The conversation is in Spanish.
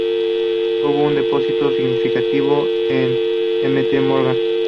Hubo un depósito significativo en Mt Morgan.